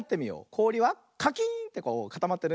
こおりはカキーンってこうかたまってるね。